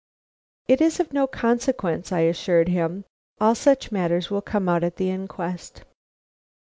"It is of no consequence," I assured him; "all such matters will come out at the inquest."